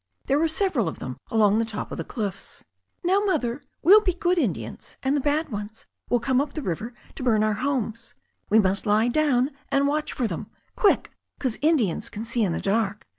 There were several of them along the top of the cliffs. "Now, Mother, we'll be good Indians, and the bad ones will come up the river to bum our homes. We must lie down and watch for them. Quick f 'Cause Indians can see in the dark.